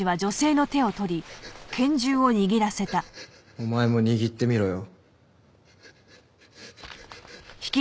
お前も握ってみろよ。